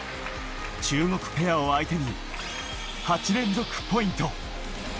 中国ペアを相手に、８連続ポイント。